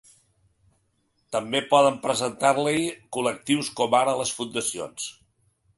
També poden presentar-la-hi col·lectius com ara les fundacions.